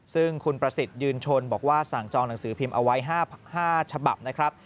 ซึ่งคุณประสิทธิ์ยืนชนบอกว่าสั่งจองหนังสือพิมพ์เอาไว้๕ฉบับนะครับ